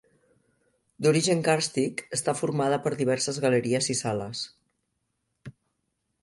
D'origen càrstic, està formada per diverses galeries i sales.